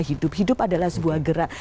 hidup hidup adalah sebuah gerak